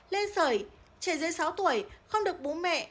lên sởi trẻ dưới sáu tuổi không được bố mẹ